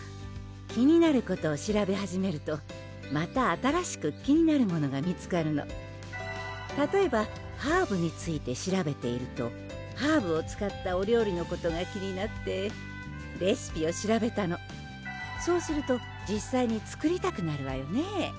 気になることを調べ始めるとまた新しく気になるものが見つかるのたとえばハーブについて調べているとハーブを使ったお料理のことが気になってレシピを調べたのそうすると実際に作りたくなるわよね